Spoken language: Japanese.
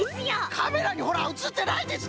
カメラにほらうつってないですって！